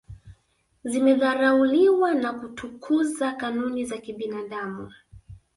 zimedharauliwa na kutukuza kanuni za kibinadamu